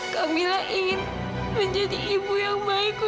kamilah ingin menjadi ibu yang baikku